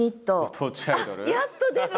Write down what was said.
あっやっと出る。